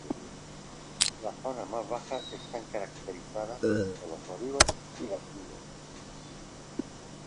Las zonas más bajas están caracterizadas por los olivo y las vides.